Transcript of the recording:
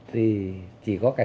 thì chỉ có cảnh sát